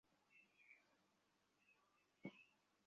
ওর মাথায় কী কারেন্ট উৎপাদন হচ্ছে?